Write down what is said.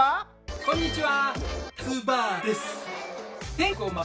こんにちは。